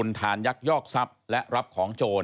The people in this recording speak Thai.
อาคารทานยักษ์ยอกทรัพย์ได้รับของโจร